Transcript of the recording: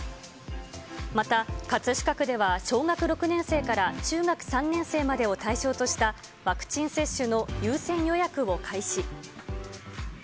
また葛飾区では、小学６年生から中学３年生までを対象としたワクチン接種の優先予約を開始。